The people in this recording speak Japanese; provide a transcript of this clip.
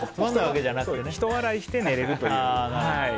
ひと笑いして寝れるという。